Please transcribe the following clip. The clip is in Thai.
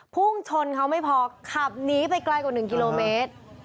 พุ่งชนเขาไม่พอขับหนีไปไกลกว่า๑กิโลเมตร